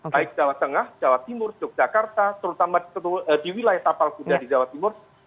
baik jawa tengah jawa timur yogyakarta terutama di wilayah tapal kuda di jawa timur